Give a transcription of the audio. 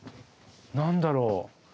何だろう？